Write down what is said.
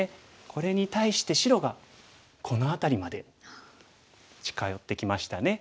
これに対して白がこの辺りまで近寄ってきましたね。